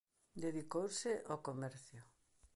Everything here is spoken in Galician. Dedicouse ao comercio.